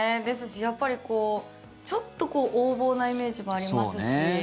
ですし、やっぱりちょっと横暴なイメージもありますし。